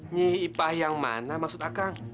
nyi ipah yang mana maksud akang